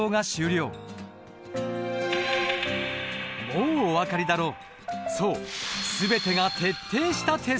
もうお分かりだろう？